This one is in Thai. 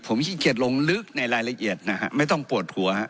ผมขี้เกียจลงลึกในรายละเอียดนะฮะไม่ต้องปวดหัว